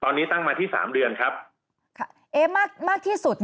ทางประกันสังคมก็จะสามารถเข้าไปช่วยจ่ายเงินสมทบให้๖๒